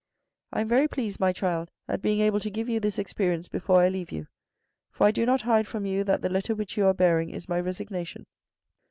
I am very pleased, my child, at being able to give you this experience before I leave you, for I do not hide from you that the letter which you are bearing is my resignation."